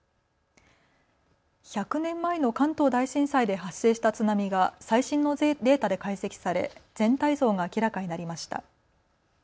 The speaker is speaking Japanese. １００年前の関東大震災で発生した津波が最新のデータで解析され全体像が明らかになりました。